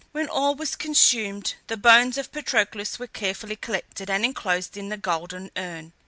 When all was consumed the bones of Patroclus were carefully collected and inclosed in a golden urn.